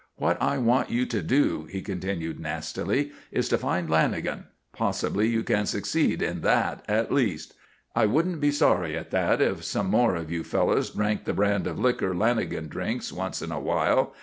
"What I want you to do," he continued nastily, "is to find Lanagan. Possibly you can succeed in that at least. I wouldn't be sorry at that if some more of you fellows drank the brand of liquor Lanagan drinks once in a while.